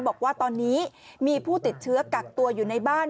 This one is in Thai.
บอกว่าตอนนี้มีผู้ติดเชื้อกักตัวอยู่ในบ้าน